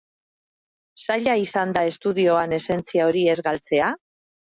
Zaila izan da estudioan esentzia hori ez galtzea?